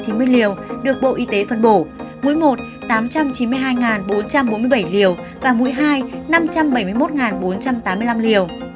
tỉnh tây ninh đã tiêm tổng cộng một năm trăm sáu mươi một chín trăm chín mươi liều được bộ y tế phân bổ mũi một tám trăm chín mươi hai bốn trăm bốn mươi bảy liều và mũi hai năm trăm bảy mươi một bốn trăm tám mươi năm liều